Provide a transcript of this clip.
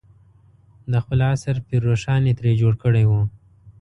د خپل عصر پير روښان یې ترې جوړ کړی و.